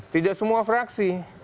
tidak semua fraksi